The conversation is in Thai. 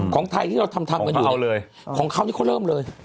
ของเขานี่เขาเริ่มเลย